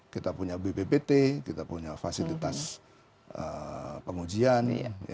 kita punya bppt kita punya fasilitas pengujian